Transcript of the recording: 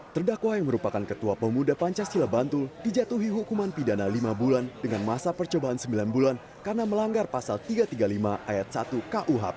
terdakwa yang merupakan ketua pemuda pancasila bantul dijatuhi hukuman pidana lima bulan dengan masa percobaan sembilan bulan karena melanggar pasal tiga ratus tiga puluh lima ayat satu kuhp